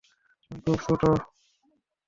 তুমি খুব ছোট।